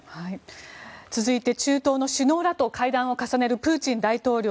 続いて、中東の首脳らと会談を重ねるプーチン大統領。